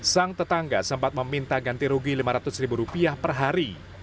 sang tetangga sempat meminta ganti rugi lima ratus ribu rupiah per hari